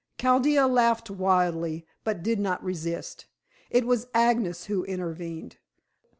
Chaldea laughed wildly, but did not resist. It was Agnes who intervened.